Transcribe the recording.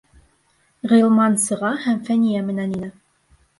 Ғилман сыға һәм Фәниә менән инә.